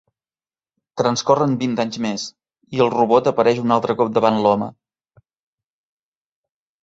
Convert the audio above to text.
Transcorren vint anys més, i el robot apareix un altre cop davant l'home.